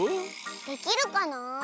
できるかな？